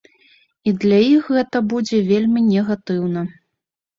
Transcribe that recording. І для іх гэта будзе вельмі негатыўна.